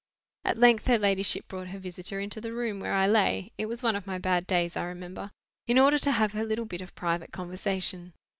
At length her ladyship brought her visitor into the room where I lay,—it was one of my bad days, I remember,—in order to have her little bit of private conversation.